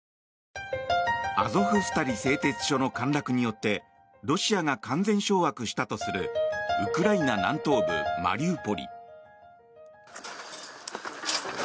アゾフスタリ製鉄所の陥落によってロシアが完全掌握したとするウクライナ南東部マリウポリ。